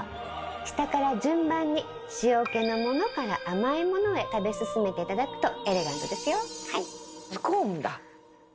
下から順番に塩気のものから甘いものへ食べ進めて頂くとエレガントですよ。